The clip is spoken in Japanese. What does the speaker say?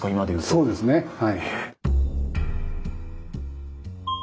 そうですねはい。